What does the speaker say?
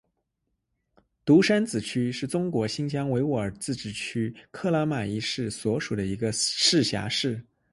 独山子区是中国新疆维吾尔自治区克拉玛依市所辖的一个市辖区。